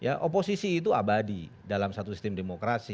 ya oposisi itu abadi dalam satu sistem demokrasi